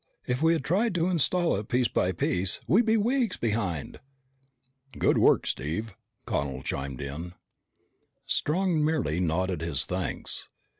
If we had tried to install it piece by piece, we'd be weeks behind." "Good work, Steve," Connel chimed in. Strong merely nodded his thanks.